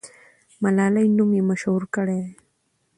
ملالۍ نوم یې مشهور کړی دی.